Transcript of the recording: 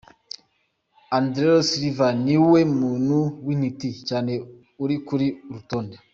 Andrew Sullivan: Niwe muntu w’intiti cyane uri kuri uru rutonde.